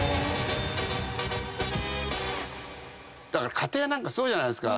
家庭なんかそうじゃないですか。